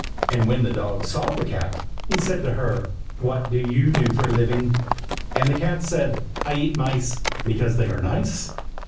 And when the dog saw the cat, he said to her, "what do you do for a living?" And the cat said, "I eat mice, Because they are nice."